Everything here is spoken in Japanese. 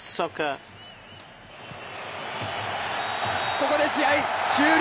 ここで試合終了！